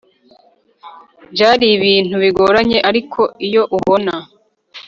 byari ibintu bigoranye ariko iyo ubona